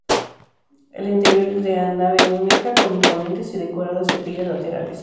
El interior es de nave única, con imponentes y decoradas capillas laterales.